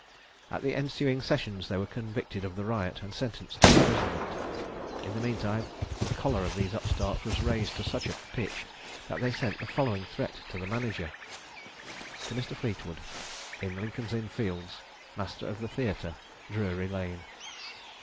At the ensuing sessions they were convicted of the riot, and sentenced to imprisonment. In the mean time, the choler of these upstarts was raised to such a pitch, that they sent the following threat to the manager: "To Mr. Fleetwood, in Lincoln's Inn Fields, Master of the Theatre, Drury Lane.